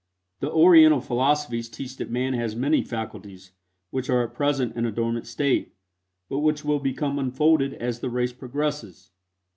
The Oriental philosophies teach that man has many faculties which are at present in a dormant state, but which will become unfolded as the race progresses.